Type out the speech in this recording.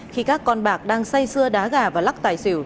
khi các con bạc đang say xưa đá gà và lắc tài xỉu